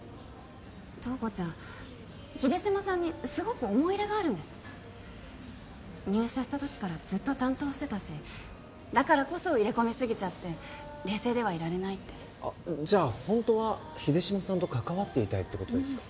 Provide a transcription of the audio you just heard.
塔子ちゃん秀島さんにすごく思い入れがあるんです入社した時からずっと担当してたしだからこそ入れ込みすぎちゃって冷静ではいられないってあっじゃあホントは秀島さんと関わっていたいってことですか？